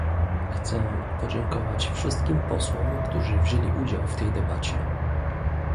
Chcę podziękować wszystkim posłom, którzy wzięli udział w tej debacie